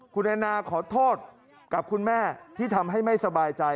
คุณแอนนาขอโทษกับคุณแม่ที่ทำให้ไม่สบายใจ